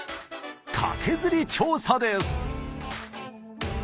カケズリ調査です。